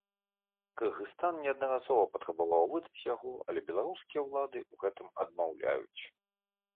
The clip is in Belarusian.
Кыргызстан неаднаразова патрабаваў выдаць яго, але беларускія ўлады ў гэтым адмаўляюць.